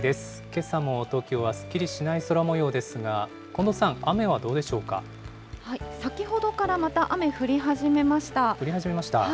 けさも東京はすっきりしない空もようですが、近藤さん、雨はどう先ほどからまた雨降り始めま降り始めました？